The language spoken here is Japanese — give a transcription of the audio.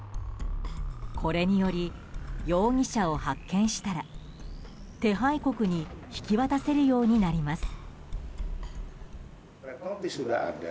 これにより、容疑者を発見したら手配国に引き渡せるようになります。